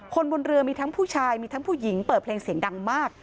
คนบนเรือมีทั้งผู้ชายมีทั้งผู้หญิงเปิดเพลงเสียงดังมาก